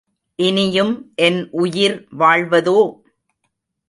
இனியும் என் உயிர் வாழ்வதோ!